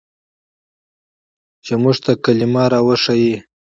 چې موږ ته کلمه راوښييه.